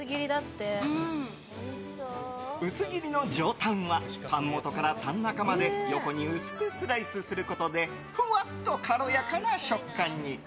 薄切りの上タンはタン元からタン中まで横に薄くスライスすることでふわっと軽やかな食感に。